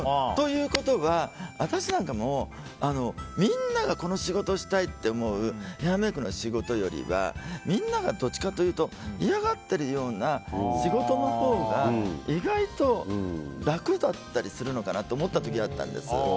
ということは、私なんかもみんながこの仕事をしたいと思うヘアメイクの仕事よりはみんながどっちかというといやがっているような仕事のほうが意外と、楽だったりするのかなと思った時があったんです。